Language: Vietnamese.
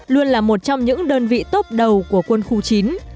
luôn là một trong những đơn vị tốt đầu của quân khu chín